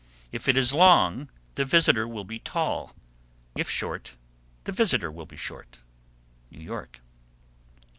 If it is long, the visitor will be tall; if short, the visitor will be short. _New York.